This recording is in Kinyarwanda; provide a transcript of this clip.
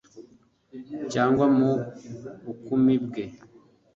cyangwa mu bukumi bwe